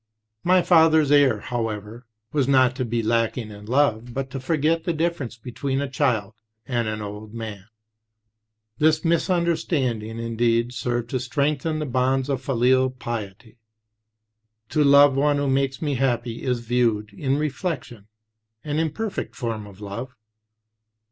"My father's error, however, was not to be lacking in love, but to forget 6 the difference between a child and an old man." The mis understanding, indeed, served to strengthen the bonds of filial piety. "To love one who makes me happy, is, viewed in reflection, an imperfect form of love.